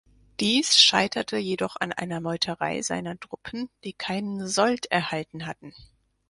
Dies scheiterte jedoch an einer Meuterei seiner Truppen, die keinen Sold erhalten hatten.